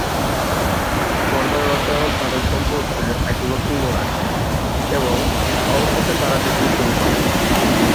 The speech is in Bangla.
পর্দার রসায়ন তাঁদের সম্পর্কে এক নতুন মোড় আনে এবং অবশেষে তাঁরা ডেটিং শুরু করেন।